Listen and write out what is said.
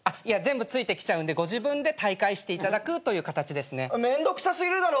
いや全部ついてきちゃうんでご自分で退会していただく形です。